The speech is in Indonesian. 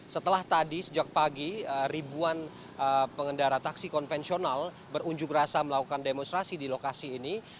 setelah tadi sejak pagi ribuan pengendara taksi konvensional berunjuk rasa melakukan demonstrasi di lokasi ini